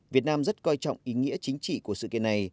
việt nam rất coi trọng ý nghĩa chính trị của sự kiện này